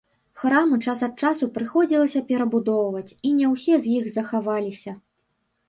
Храмы час ад часу прыходзілася перабудоўваць, і не ўсе з іх захаваліся.